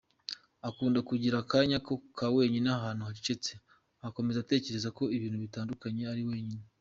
Akunda kugira akanya ka wenyine ahantu hacecetse agakomeza atekereza ku bintu bitandukanye ari wenyine.